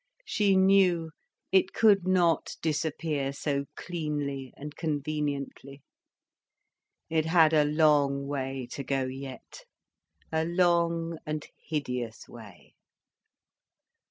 She knew it could not disappear so cleanly and conveniently. It had a long way to go yet, a long and hideous way.